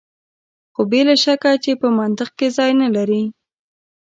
خو بې له شکه چې په منطق کې ځای نه لري.